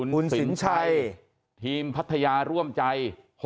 คุณสินชัยทีมพัทยาร่วมใจ